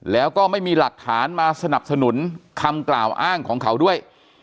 แล้วก็ไม่มีหลักฐานมาสนับสนุนคำกล่าวอ้างของเขาด้วย